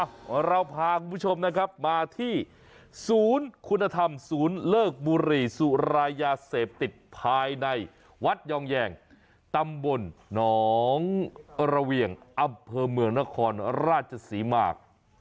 เราพาคุณผู้ชมนะครับมาที่ศูนย์คุณธรรมศูนย์เลิกบุหรี่สุรายาเสพติดภายในวัดยองแยงตำบลหนองระเวียงอำเภอเมืองนครราชศรีมา